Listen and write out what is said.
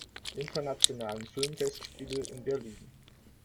Internationalen Filmfestspiele in Berlin.